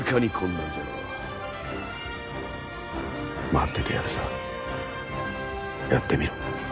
待っててやるさやってみろ。